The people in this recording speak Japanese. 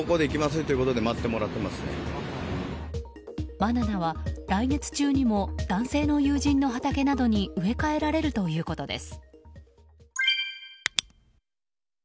バナナは、来月中にも男性の友人の畑に植え替えられるということです。